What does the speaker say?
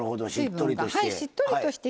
しっとりとして。